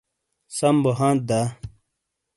سم بو ہانتھ دا؟